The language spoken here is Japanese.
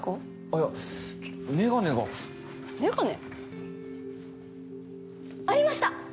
いやメガネがメガネ？ありました！